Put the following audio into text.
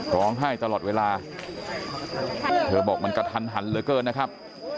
ร้องไห้ตลอดเวลาเธอบอกมันกระทันหันเหลือเกินนะครับ